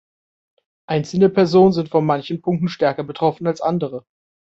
Einzelne Personen sind von manchen Punkten stärker betroffen als andere.